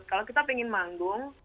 kalau kita pengen manggung